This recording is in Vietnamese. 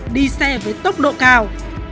đi xe với tốc độ cao